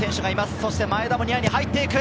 そして前田もニアに入っていく。